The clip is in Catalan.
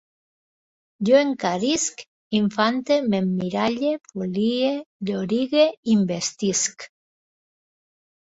Jo encarisc, infante, m'emmiralle, folie, llorigue, investisc